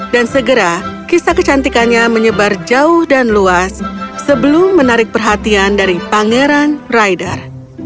dan segera kisah kecantikannya menyebar jauh dan luas sebelum menarik perhatian dari pangeran raidar